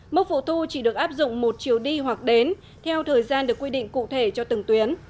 mức phụ thu chỉ được áp dụng một chiều đi hoặc đến theo thời gian được quy định cụ thể cho từng tuyến